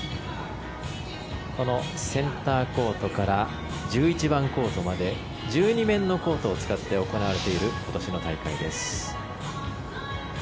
このセンターコートから１１番コートまで１２面のコートを使って行われている今年の大会です。